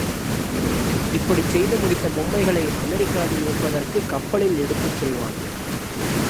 இப்படிச் செய்துமுடித்த பொம்மைகளை அமெரிக்காவில் விற்பதற்குக் கப்பலில் எடுத்துச் செல்வான்.